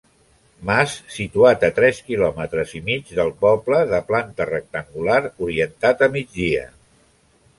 Mas situat a tres quilòmetres i mig del poble, de planta rectangular orientat a migdia.